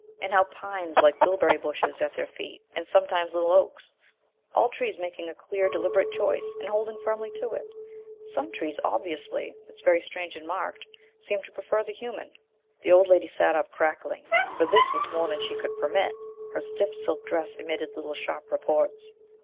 And how pines like bilberry bushes at their feet and sometimes little oaks all trees making a clear, deliberate choice, and holding firmly to it? Some trees obviously it's very strange and marked seem to prefer the human." The old lady sat up crackling, for this was more than she could permit. Her stiff silk dress emitted little sharp reports.